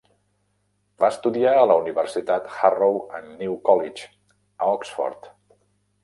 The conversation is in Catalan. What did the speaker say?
Va estudiar a la universitat Harrow and New College, a Oxford.